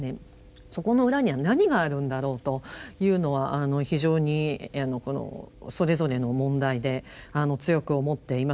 そこの裏には何があるんだろうというのは非常にそれぞれの問題で強く思っています。